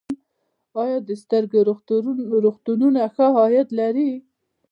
آیا د سترګو روغتونونه ښه عاید لري؟